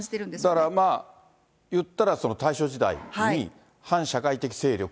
だからまあ、いったら大正時代に反社会的勢力？